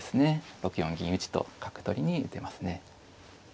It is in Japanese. ６四銀打と角取りに打てますね。